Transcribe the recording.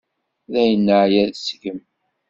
Dayen neɛya seg-m.